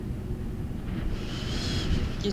কিছুই হয় নি।